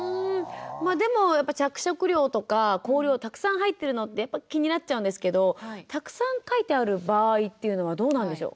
まあでも着色料とか香料たくさん入ってるのってやっぱ気になっちゃうんですけどたくさん書いてある場合っていうのはどうなんでしょう？